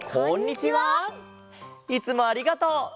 いつもありがとう。